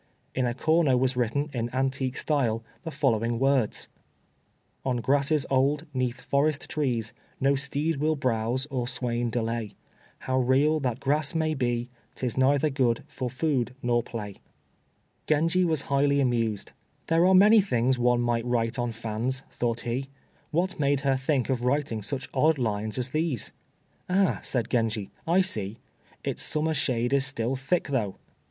In a corner was written, in antique style, the following words: "On grasses old, 'neath forest trees, No steed will browse or swain delay, However real that grass may be, 'Tis neither good for food nor play." Genji was highly amused. "There are many things one might write on fans," thought he; "what made her think of writing such odd lines as these?" "Ah!" said Genji, "I see, 'its summer shade is still thick though!'"